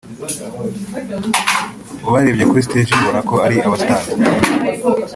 ubarebye kuri stage ubona ko ari aba-stars